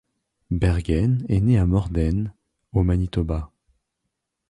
Bergen est née à Morden, au Manitoba.